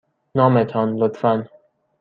نام تان، لطفاً.